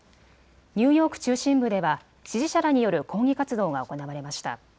ニューヨーク中心部では支持者らによる抗議活動が行われました。